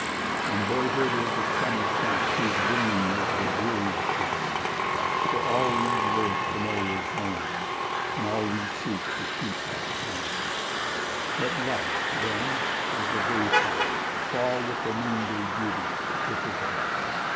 And boyhood is a summer sun Whose waning is the dreariest one— For all we live to know is known, And all we seek to keep hath flown— Let life, then, as the day flower, fall With the noon day beauty—which is all.